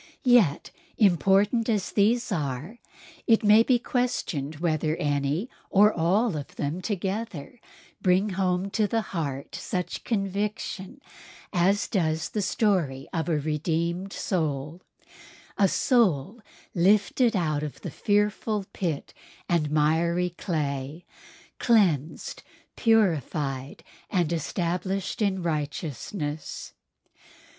Yet important as these are, it may be questioned whether any or all of them together bring home to the heart such conviction as does the story of a redeemed soul—a soul lifted out of the fearful pit and miry clay—cleansed, purified and established in righteousness.